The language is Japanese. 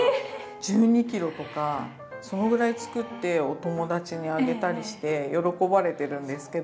１２ｋｇとかそのぐらい作ってお友達にあげたりして喜ばれてるんですけど。